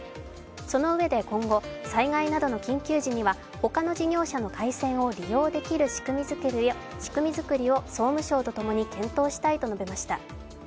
そのうえで今後、災害などの緊急時にはほかの事業者の回線を利用できる仕組み作りを総務省と共に検討したいと述べました。